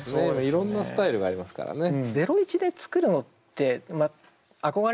いろんなスタイルがありますからね。